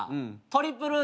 トリプル